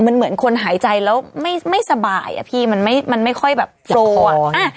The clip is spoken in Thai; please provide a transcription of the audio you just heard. มันเหมือนคนหายใจแล้วไม่สบายอะพี่มันไม่มันไม่ค่อยแบบเจ็บตัวอ่ะ